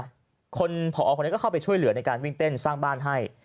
คนผอคนนี้ก็เข้าไปช่วยเหลือในการวิ่งเต้นสร้างบ้านให้